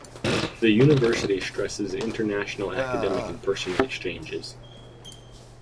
The university stresses international academic and personnel exchanges.